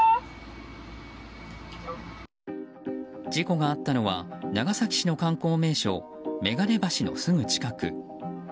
事故があったのは長崎市の観光名所眼鏡橋のすぐ近く。